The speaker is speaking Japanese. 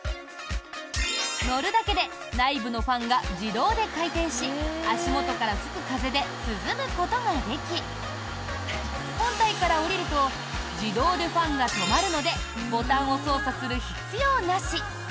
乗るだけで内部のファンが自動で回転し足元から吹く風で涼むことができ本体から降りると自動でファンが止まるのでボタンを操作する必要なし。